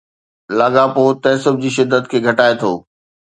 لاڳاپو تعصب جي شدت کي گھٽائي ٿو.